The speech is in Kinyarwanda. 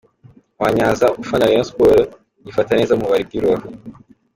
Wanyanza ufana Rayon Sports yifata neza mu bali b'i Rubavu.